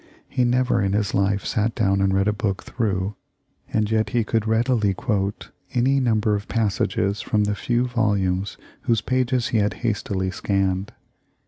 He never in his life sat down and read a book through, and yet he could readily quote any number of passages from the few volumes whose pages he had hastily scanned.